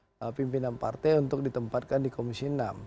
dan juga pimpinan partai untuk ditempatkan di komisi enam